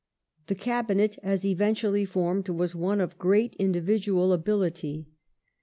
The Cabinet as eventually formed was one of great individual ability.